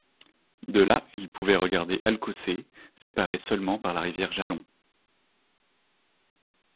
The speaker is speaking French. De là, ils pouvaient regarder Alcocer, séparé seulement par la rivière Jalón.